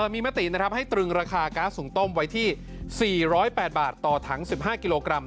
มีมตินะครับให้ตรึงราคาก๊าซหุงต้มไว้ที่๔๐๘บาทต่อถัง๑๕กิโลกรัม